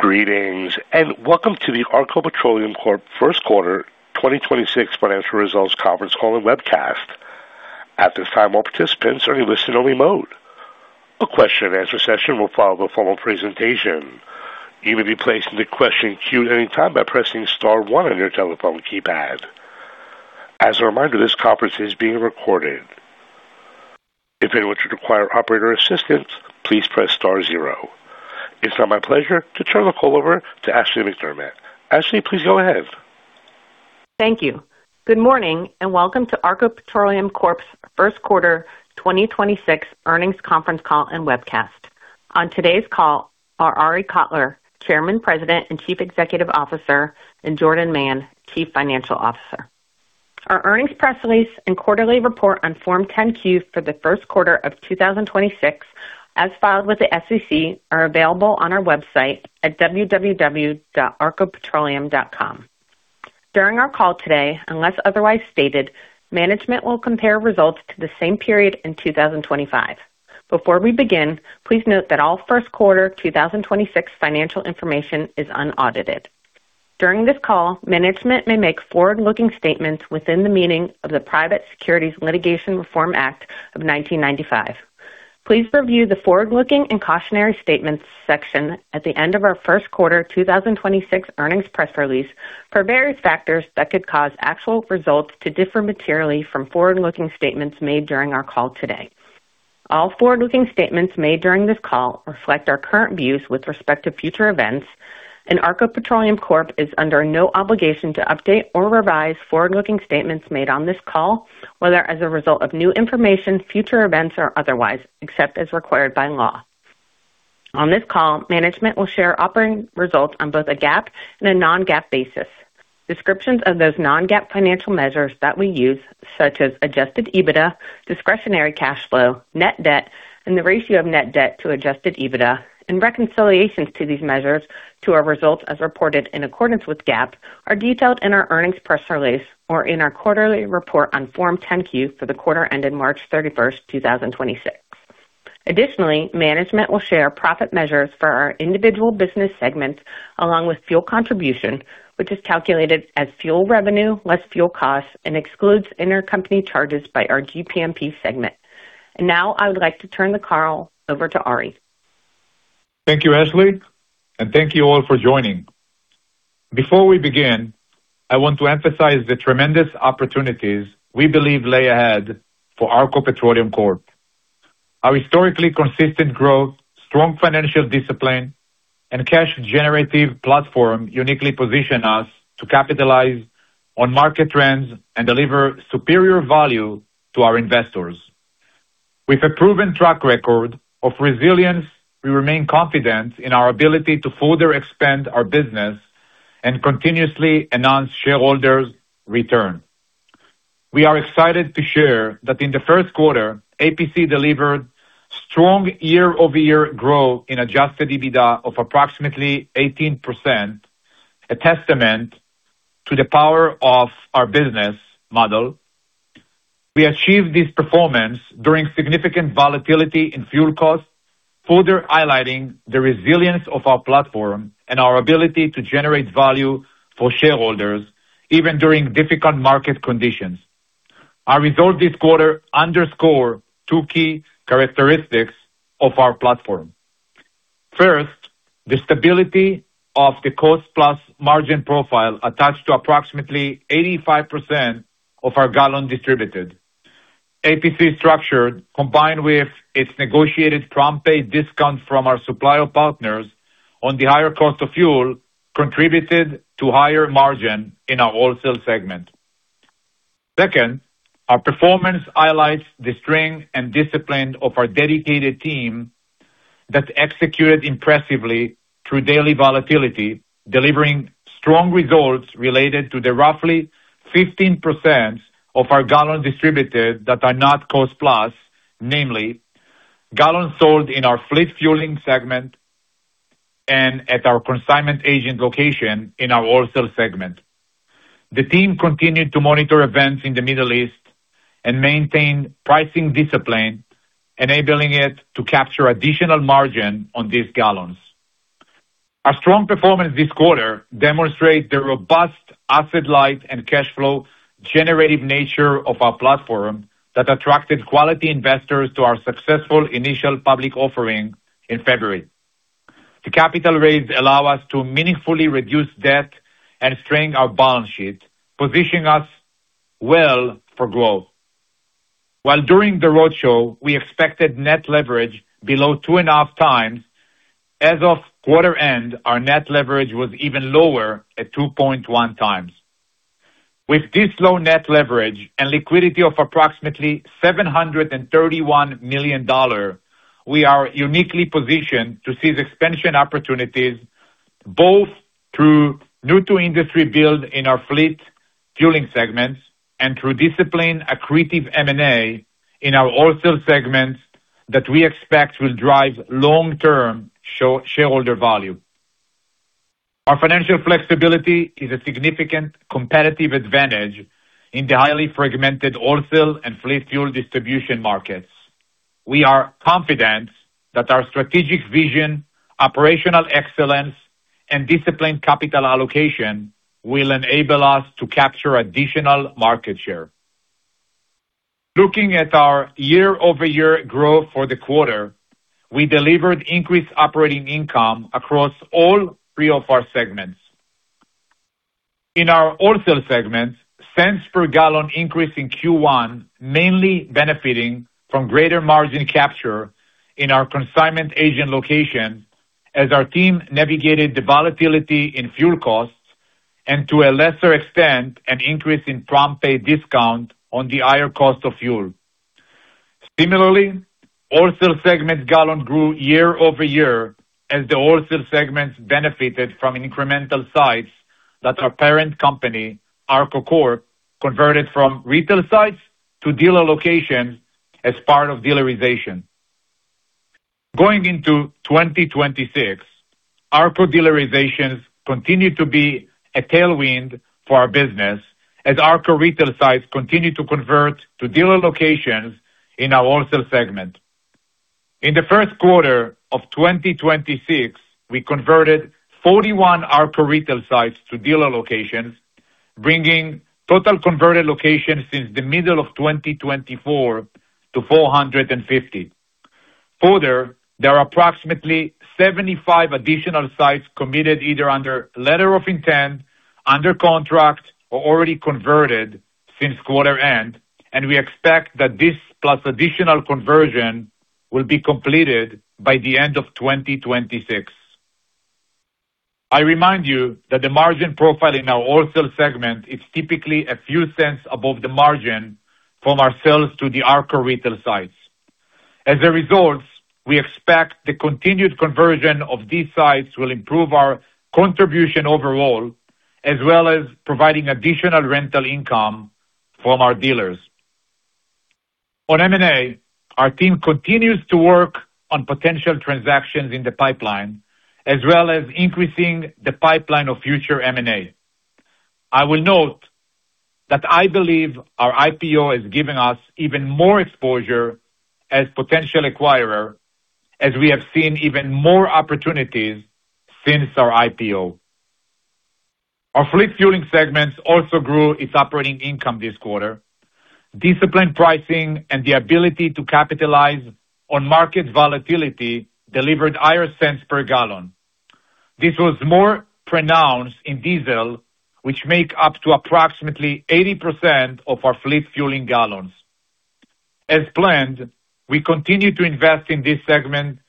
Greetings, and welcome to the ARKO Petroleum Corp First Quarter 2026 Financial Results Conference Call and Webcast. At this time, all participants are in listen-only mode. A question-and-answer session will follow the formal presentation. You may be placed in the question queue at any time by pressing star one on your telephone keypad. As a reminder, this conference is being recorded. If anyone should require operator assistance, please press star zero. It's now my pleasure to turn the call over to Ashleigh McDermott. Ashleigh, please go ahead. Thank you. Good morning, and welcome to ARKO Petroleum Corp.'s First Quarter 2026 earnings conference call and webcast. On today's call are Arie Kotler, chairman, president, and chief executive officer, and Jordan Mann, chief financial officer. Our earnings press release and quarterly report on Form 10-Q for the first quarter of 2026, as filed with the SEC, are available on our website at www.arkopetroleum.com. During our call today, unless otherwise stated, management will compare results to the same period in 2025. Before we begin, please note that all first quarter 2026 financial information is unaudited. During this call, management may make forward-looking statements within the meaning of the Private Securities Litigation Reform Act of 1995. Please review the Forward-Looking and Cautionary Statements section at the end of our first quarter 2026 earnings press release for various factors that could cause actual results to differ materially from forward-looking statements made during our call today. All forward-looking statements made during this call reflect our current views with respect to future events, ARKO Petroleum Corp is under no obligation to update or revise forward-looking statements made on this call, whether as a result of new information, future events, or otherwise, except as required by law. On this call, management will share operating results on both a GAAP and a non-GAAP basis. Descriptions of those non-GAAP financial measures that we use, such as adjusted EBITDA, discretionary cash flow, net debt, and the ratio of net debt to adjusted EBITDA, and reconciliations to these measures to our results as reported in accordance with GAAP, are detailed in our earnings press release or in our quarterly report on Form 10-Q for the quarter ended March 31, 2026. Additionally, management will share profit measures for our individual business segments along with fuel contribution, which is calculated as fuel revenue less fuel costs and excludes intercompany charges by our GPMP segment. Now I would like to turn the call over to Arie. Thank you, Ashleigh, and thank you all for joining. Before we begin, I want to emphasize the tremendous opportunities we believe lay ahead for ARKO Petroleum Corp. Our historically consistent growth, strong financial discipline, and cash generative platform uniquely position us to capitalize on market trends and deliver superior value to our investors. With a proven track record of resilience, we remain confident in our ability to further expand our business and continuously enhance shareholders' return. We are excited to share that in the first quarter, APC delivered strong year-over-year growth in adjusted EBITDA of approximately 18%, a testament to the power of our business model. We achieved this performance during significant volatility in fuel costs, further highlighting the resilience of our platform and our ability to generate value for shareholders even during difficult market conditions. Our results this quarter underscore two key characteristics of our platform. First, the stability of the cost-plus margin profile attached to approximately 85% of our gallons distributed. APC structure, combined with its negotiated prompt pay discount from our supplier partners on the higher cost of fuel, contributed to higher margin in our wholesale segment. Second, our performance highlights the strength and discipline of our dedicated team that executed impressively through daily volatility, delivering strong results related to the roughly 15% of our gallons distributed that are not cost-plus, namely, gallons sold in our fleet fueling segment and at our consignment agent location in our wholesale segment. The team continued to monitor events in the Middle East and maintain pricing discipline, enabling it to capture additional margin on these gallons. Our strong performance this quarter demonstrates the robust asset light and cash flow generative nature of our platform that attracted quality investors to our successful initial public offering in February. The capital raise allow us to meaningfully reduce debt and strengthen our balance sheet, positioning us well for growth. While during the roadshow, we expected net leverage below 2.5x, as of quarter end, our net leverage was even lower at 2.1x. With this low net leverage and liquidity of approximately $731 million, we are uniquely positioned to seize expansion opportunities both through new to industry build in our fleet fueling segments and through discipline accretive M&A in our wholesale segments that we expect will drive long-term shareholder value. Our financial flexibility is a significant competitive advantage in the highly fragmented wholesale and fleet fuel distribution markets. We are confident that our strategic vision, operational excellence, and disciplined capital allocation will enable us to capture additional market share. Looking at our year-over-year growth for the quarter, we delivered increased operating income across all three of our segments. In our Wholesale segment, cents per gallon increase in Q1, mainly benefiting from greater margin capture in our consignment agent location as our team navigated the volatility in fuel costs and to a lesser extent, an increase in prompt pay discount on the higher cost of fuel. Similarly, Wholesale segment gallon grew year-over-year as the wholesale segments benefited from incremental sites that our parent company, ARKO Corp, converted from retail sites to dealer locations as part of dealerization. Going into 2026, ARKO dealerizations continue to be a tailwind for our business as ARKO retail sites continue to convert to dealer locations in our Wholesale segment. In the first quarter of 2026, we converted 41 ARKO retail sites to dealer locations, bringing total converted locations since the middle of 2024 to 450. Further, there are approximately 75 additional sites committed either under letter of intent, under contract, or already converted since quarter end, and we expect that this plus additional conversion will be completed by the end of 2026. I remind you that the margin profile in our wholesale segment is typically a few cents above the margin from our sales to the ARKO retail sites. As a result, we expect the continued conversion of these sites will improve our contribution overall, as well as providing additional rental income from our dealers. On M&A, our team continues to work on potential transactions in the pipeline, as well as increasing the pipeline of future M&A. I will note that I believe our IPO has given us even more exposure as potential acquirer, as we have seen even more opportunities since our IPO. Our fleet fueling segments also grew its operating income this quarter. Disciplined pricing and the ability to capitalize on market volatility delivered higher cents per gallon. This was more pronounced in diesel, which make up to approximately 80% of our fleet fueling gallons. As planned, we continue to invest in this segment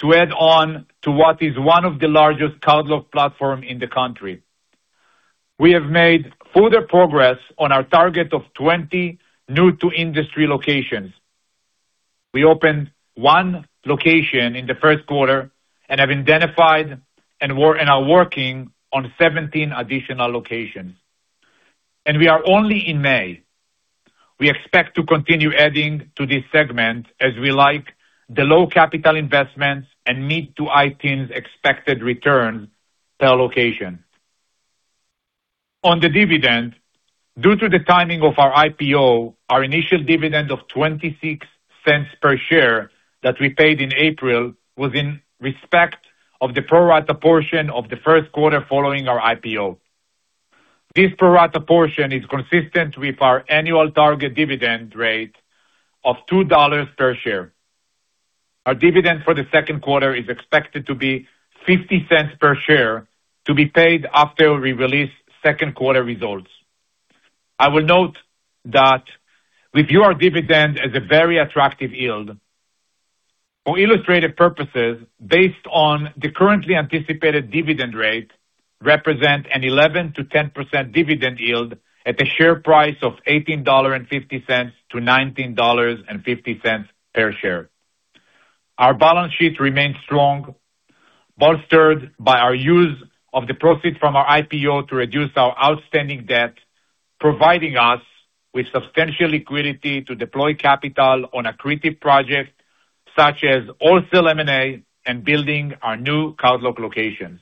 to add on to what is one of the largest cardlock platform in the country. We have made further progress on our target of 20 new-to-industry locations. We opened one location in the first quarter and have identified and are working on 17 additional locations. We are only in May. We expect to continue adding to this segment as we like the low capital investments and mid-to-high teens expected return per location. On the dividend, due to the timing of our IPO, our initial dividend of $0.26 per share that we paid in April was in respect of the pro rata portion of the first quarter following our IPO. This pro rata portion is consistent with our annual target dividend rate of $2 per share. Our dividend for the second quarter is expected to be $0.50 per share to be paid after we release second quarter results. I will note that we view our dividend as a very attractive yield. For illustrative purposes, based on the currently anticipated dividend rate, represent an 11%-10% dividend yield at a share price of $18.50-$19.50 per share. Our balance sheet remains strong, bolstered by our use of the profit from our IPO to reduce our outstanding debt, providing us with substantial liquidity to deploy capital on accretive projects such as wholesale M&A and building our new cardlock locations.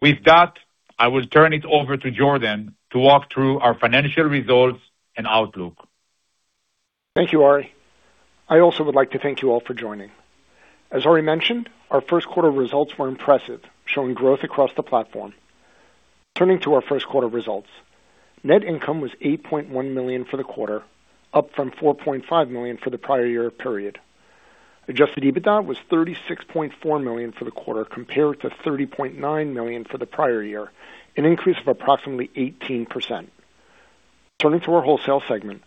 With that, I will turn it over to Jordan to walk through our financial results and outlook. Thank you, Arie. I also would like to thank you all for joining. As Ari mentioned, our first quarter results were impressive, showing growth across the platform. Turning to our first quarter results. Net income was $8.1 million for the quarter, up from $4.5 million for the prior year period. Adjusted EBITDA was $36.4 million for the quarter, compared to $30.9 million for the prior year, an increase of approximately 18%. Turning to our wholesale segment.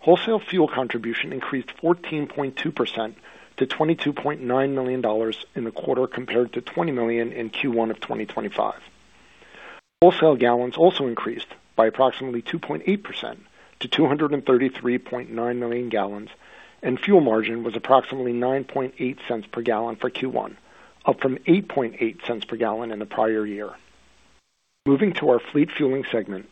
Wholesale fuel contribution increased 14.2% to $22.9 million in the quarter compared to $20 million in Q1 of 2025. Wholesale gallons also increased by approximately 2.8% to 233.9 million gallons, and fuel margin was approximately $0.098 per gallon for Q1, up from $0.088 per gallon in the prior year. Moving to our Fleet Fueling segment.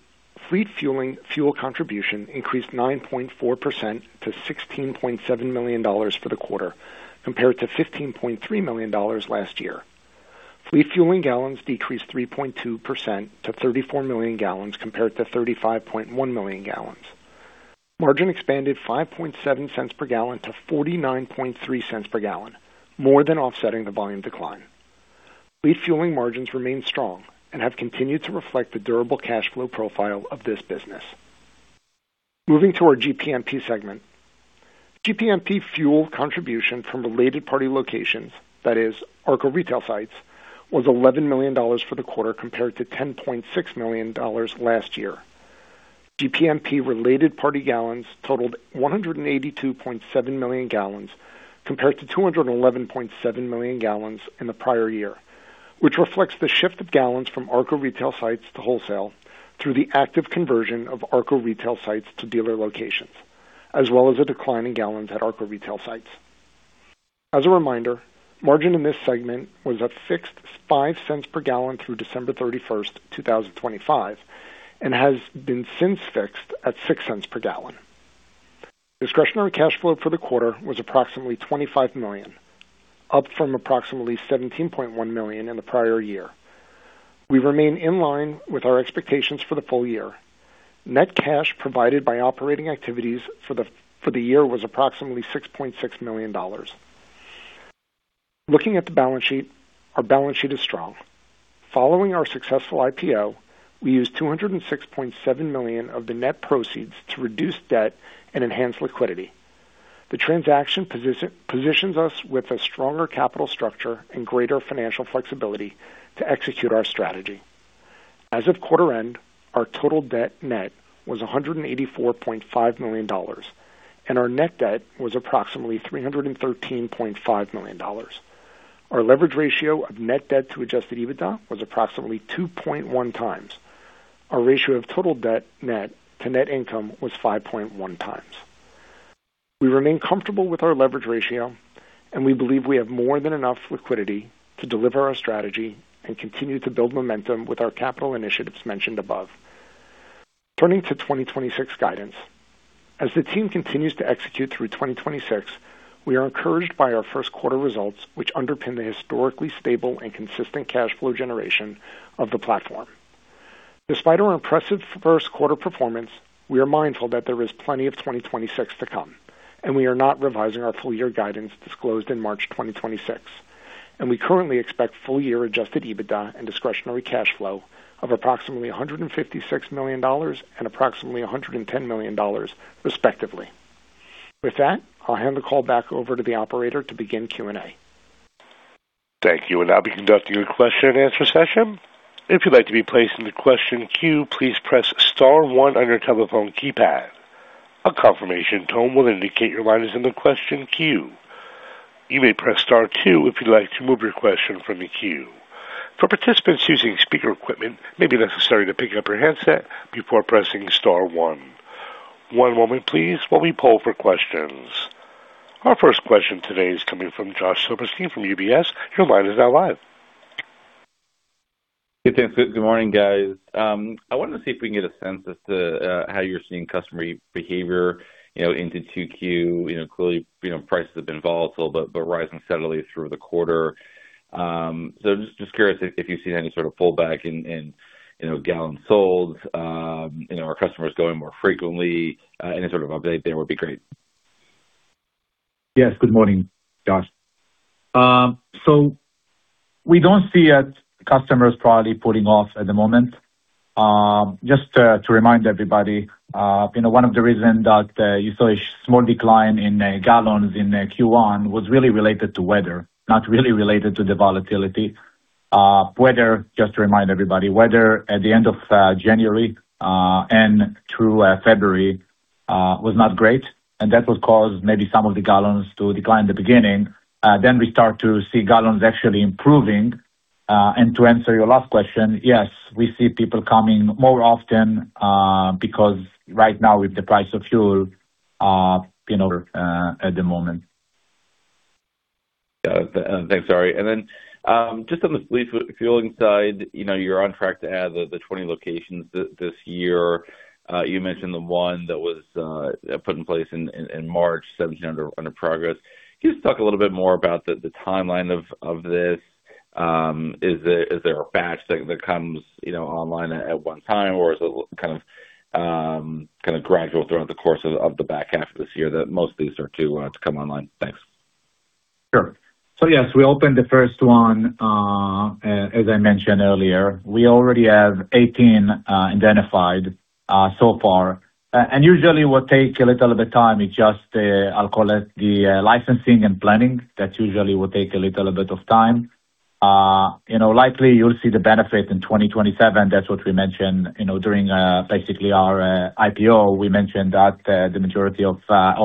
Fleet Fueling fuel contribution increased 9.4% to $16.7 million for the quarter, compared to $15.3 million last year. Fleet Fueling gallons decreased 3.2% to 34 million gallons compared to 35.1 million gallons. Margin expanded $0.057 per gallon to $0.493 per gallon, more than offsetting the volume decline. Fleet Fueling margins remain strong and have continued to reflect the durable cash flow profile of this business. Moving to our GPMP segment. GPMP fuel contribution from related party locations, that is ARKO retail sites, was $11 million for the quarter compared to $10.6 million last year. GPMP related party gallons totaled 182.7 million gallons compared to 211.7 million gallons in the prior year, which reflects the shift of gallons from ARKO retail sites to wholesale through the active conversion of ARKO retail sites to dealer locations, as well as a decline in gallons at ARKO retail sites. As a reminder, margin in this segment was at fixed $0.05 per gallon through December 31, 2025, and has been since fixed at $0.06 per gallon. Discretionary cash flow for the quarter was approximately $25 million, up from approximately $17.1 million in the prior year. We remain in line with our expectations for the full year. Net cash provided by operating activities for the year was approximately $6.6 million. Looking at the balance sheet, our balance sheet is strong. Following our successful IPO, we used $206.7 million of the net proceeds to reduce debt and enhance liquidity. The transaction positions us with a stronger capital structure and greater financial flexibility to execute our strategy. As of quarter end, our total debt net was $184.5 million, and our net debt was approximately $313.5 million. Our leverage ratio of net debt to adjusted EBITDA was approximately 2.1x. Our ratio of total debt net to net income was 5.1x. We remain comfortable with our leverage ratio. We believe we have more than enough liquidity to deliver our strategy and continue to build momentum with our capital initiatives mentioned above. Turning to 2026 guidance. As the team continues to execute through 2026, we are encouraged by our first quarter results, which underpin the historically stable and consistent cash flow generation of the platform. Despite our impressive first quarter performance, we are mindful that there is plenty of 2026 to come. We are not revising our full year guidance disclosed in March 2026. We currently expect full year adjusted EBITDA and discretionary cash flow of approximately $156 million and approximately $110 million, respectively. With that, I'll hand the call back over to the operator to begin Q&A. Our first question today is coming from Josh Silverstein from UBS. Your line is now live. Good morning, guys. I wanted to see if we can get a sense as to how you're seeing customer behavior, you know, into 2Q. You know, clearly, you know, prices have been volatile but rising steadily through the quarter. Just curious if you've seen any sort of pullback in, you know, gallons sold, you know, are customers going more frequently? Any sort of update there would be great. Yes, good morning, Josh. We don't see it customers probably putting off at the moment. Just to remind everybody, you know, one of the reason that you saw a small decline in gallons in Q1 was really related to weather, not really related to the volatility. Weather, just to remind everybody, weather at the end of January and through February was not great, and that would cause maybe some of the gallons to decline at the beginning. We start to see gallons actually improving. To answer your last question, yes, we see people coming more often, because right now with the price of fuel, you know, at the moment. Yeah. Thanks, Arie. Just on the fleet fueling side, you know, you're on track to add the 20 locations this year. You mentioned the one that was put in place in March 17 under progress. Can you just talk a little bit more about the timeline of this? Is there a batch that comes, you know, online at one time, or is it kind of gradual throughout the course of the back half of this year that most of these are to come online? Thanks. Yes, we opened the first one. As I mentioned earlier, we already have 18 identified so far. Usually will take a little bit of time. It's just, I'll call it the licensing and planning that usually will take a little bit of time. You know, likely you'll see the benefit in 2027. That's what we mentioned, you know, during basically our IPO. We mentioned that the majority of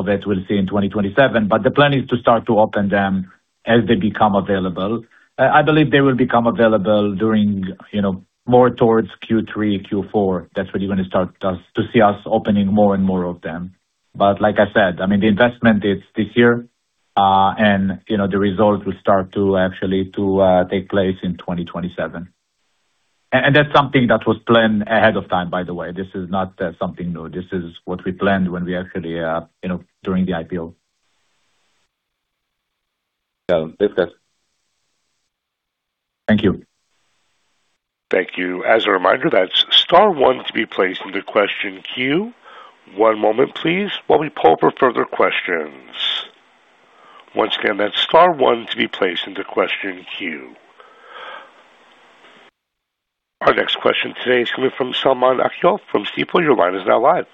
it we'll see in 2027. The plan is to start to open them as they become available. I believe they will become available during, you know, more towards Q3, Q4. That's when you're gonna start to see us opening more and more of them. Like I said, I mean, the investment is this year, and, you know, the results will start to actually take place in 2027. That's something that was planned ahead of time, by the way. This is not something new. This is what we planned when we actually, you know, during the IPO. Got it. Thanks, guys. Thank you. Thank you. As a reminder, that's star one to be placed into question queue. One moment please, while we poll for further questions. Once again, that's star one to be placed into question queue. Our next question today is coming from Selman Akyol from Stifel. Your line is now live.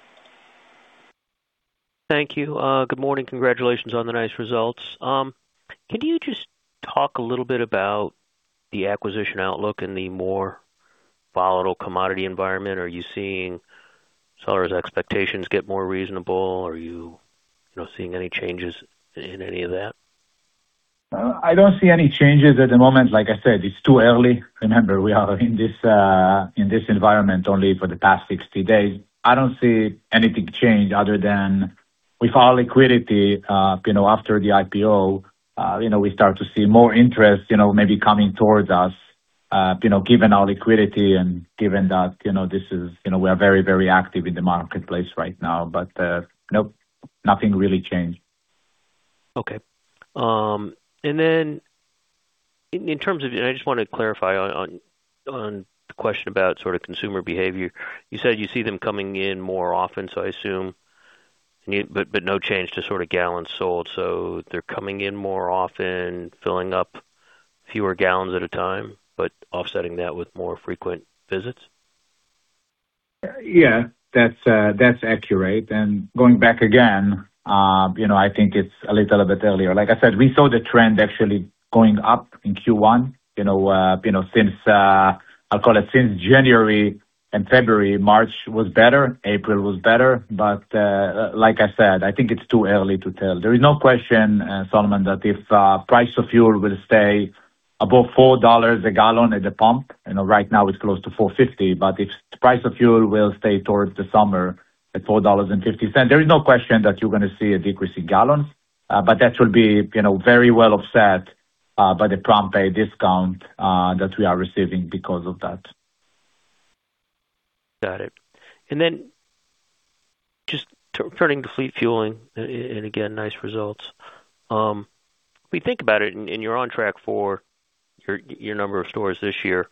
Thank you. Good morning. Congratulations on the nice results. Can you just talk a little bit about the acquisition outlook in the more volatile commodity environment? Are you seeing sellers' expectations get more reasonable? Are you know, seeing any changes in any of that? I don't see any changes at the moment. Like I said, it's too early. Remember, we are in this environment only for the past 60 days. I don't see anything change other than with our liquidity, you know, after the IPO, you know, we start to see more interest, you know, maybe coming towards us, you know, given our liquidity and given that, you know, this is You know, we are very, very active in the marketplace right now, but nope, nothing really changed. Okay. I just wanna clarify on the question about sort of consumer behavior. You said you see them coming in more often, so I assume no change to sort of gallons sold. They're coming in more often, filling up fewer gallons at a time, but offsetting that with more frequent visits? Yeah. That's that's accurate. Going back again, you know, I think it's a little bit earlier. Like I said, we saw the trend actually going up in Q1, you know, since I'll call it since January and February. March was better, April was better, like I said, I think it's too early to tell. There is no question, Selman Akyol, that if price of fuel will stay above $4 a gallon at the pump, you know, right now it's close to $4.50, if the price of fuel will stay towards the summer at $4.50, there is no question that you're gonna see a decrease in gallons. That will be, you know, very well offset by the prompt pay discount that we are receiving because of that. Got it. Just turning to fleet fueling, and again, nice results. We think about it, and you're on track for your number of stores this year.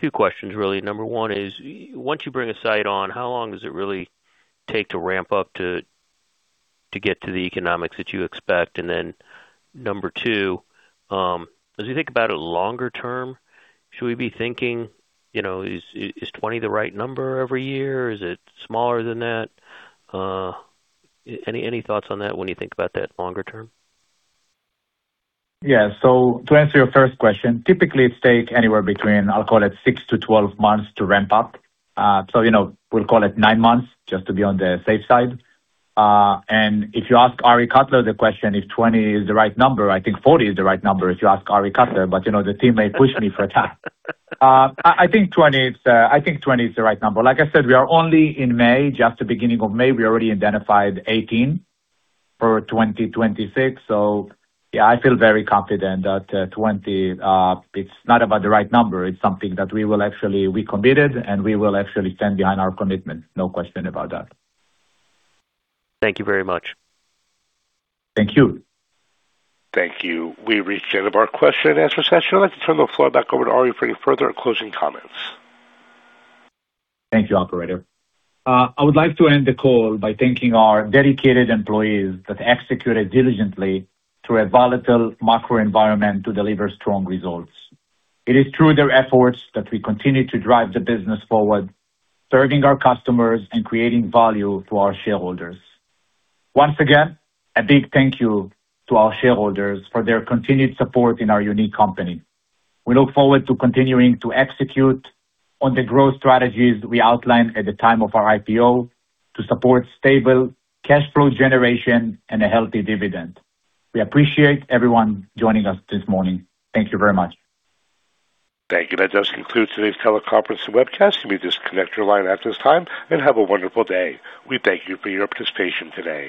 Two questions really. Number one is, once you bring a site on, how long does it really take to ramp up to get to the economics that you expect? Then number two, as you think about it longer term, should we be thinking, you know, is 20 the right number every year? Is it smaller than that? Any thoughts on that when you think about that longer term? To answer your first question, typically it take anywhere between, I'll call it six to 12 months to ramp up. So, you know, we'll call it nine months just to be on the safe side. And if you ask Arie Kotler the question if 20 is the right number, I think 40 is the right number if you ask Arie Kotler. You know, the team may push me for time. I think 20 is the right number. Like I said, we are only in May, just the beginning of May, we already identified 18 for 2026. I feel very confident that 20, it's not about the right number, it's something that we committed, and we will actually stand behind our commitment. No question about that. Thank you very much. Thank you. Thank you. We've reached the end of our question and answer session. I'd like to turn the floor back over to Arie Kotler for any further closing comments. Thank you, operator. I would like to end the call by thanking our dedicated employees that executed diligently through a volatile macro environment to deliver strong results. It is through their efforts that we continue to drive the business forward, serving our customers and creating value to our shareholders. Once again, a big thank you to our shareholders for their continued support in our unique company. We look forward to continuing to execute on the growth strategies we outlined at the time of our IPO to support stable cash flow generation and a healthy dividend. We appreciate everyone joining us this morning. Thank you very much. Thank you. That does conclude today's teleconference and webcast. You may disconnect your line at this time. Have a wonderful day. We thank you for your participation today.